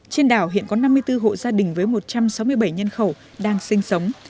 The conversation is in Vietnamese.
trên đảo hiện có năm mươi bốn hộ gia đình với một trăm sáu mươi bảy nhân khẩu đang sinh sống